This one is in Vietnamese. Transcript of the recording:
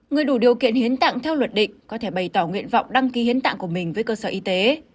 người đủ điều kiện hiến tặng theo luật định có thể bày tỏ nguyện vọng đăng ký hiến tạng của mình với cơ sở y tế